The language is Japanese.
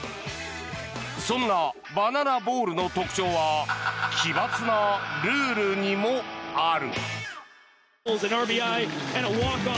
そんなバナナボールの特徴は奇抜なルールにもある。